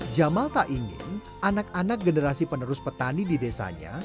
jamal tak ingin anak anak generasi penerus petani di desanya